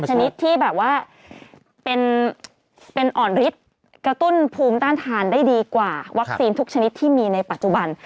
ชนิดที่แบบว่าเป็นอ่อนฤทธิ์กระตุ้นภูมิต้านทานได้ดีกว่าวัคซีนทุกชนิดที่มีในปัจจุบัน